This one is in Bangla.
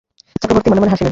চক্রবর্তী মনে মনে হাসিলেন।